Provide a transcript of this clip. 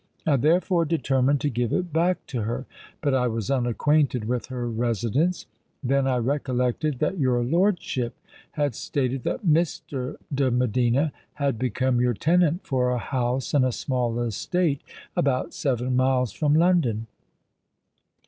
I therefore determined to give it back to her. But I was unacquainted with her residence. Then I recollected that your lordship had stated that Mr. de Medina had become your tenant for a house and small estate about seven miles from London.